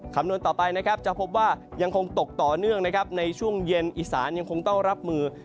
คำนวณต่อไปนะครับจะพบว่ายังคงตกต่อเนื่องนะครับในช่วงเย็นอีสานยังคงต้องรับมือ